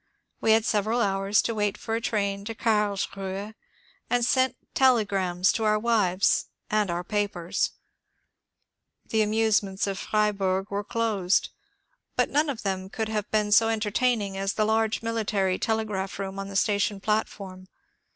We had sev eral hours to wait for a train to Carlsruhe, and sent telegrams to our wives and our papers. All the amusements of Freiburg were closed, but none of them could have been so entertaining as the large military telegraph room on the station platform.